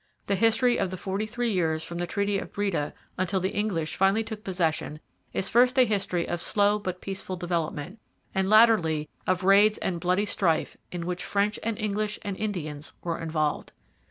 The history of the forty three years from the Treaty of Breda until the English finally took possession is first a history of slow but peaceful development, and latterly of raids and bloody strife in which French and English and Indians were involved.